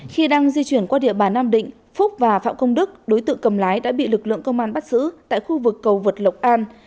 khi đang di chuyển qua địa bàn nam định phúc và phạm công đức đối tượng cầm lái đã bị lực lượng công an bắt giữ tại khu vực cầu vượt lộc an